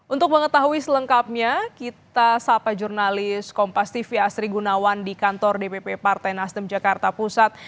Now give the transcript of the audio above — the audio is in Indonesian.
untuk mengetahui selengkapnya kita sapa jurnalis kompas tv asri gunawan di kantor dpp partai nasdem jakarta pusat